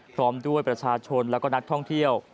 พร้อมด้วยประชาชนและก็นักท่องเที่ยว